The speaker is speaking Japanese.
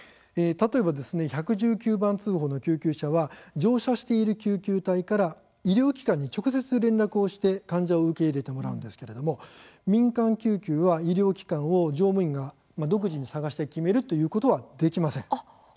例えば、１１９番通報の救急車は乗車している救急隊から医療機関に直接連絡をして患者を受け入れてもらうんですけれども民間救急は医療機関を乗務員が独自に探して決めるということはできません。